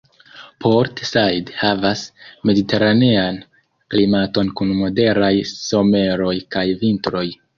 Port Said havas mediteranean klimaton kun moderaj someroj kaj vintroj.